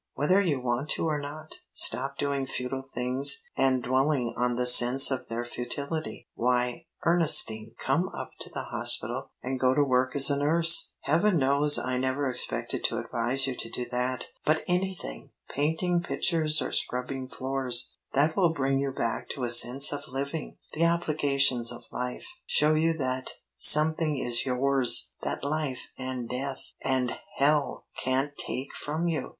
whether you want to or not. Stop doing futile things and dwelling on the sense of their futility. Why, Ernestine, come up to the hospital and go to work as a nurse! Heaven knows I never expected to advise you to do that, but anything painting pictures or scrubbing floors that will bring you back to a sense of living the obligations of life show you that something is yours that life and death and hell can't take from you!"